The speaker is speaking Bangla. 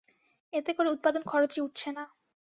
এতে করে উৎপাদন খরচই উঠছে না।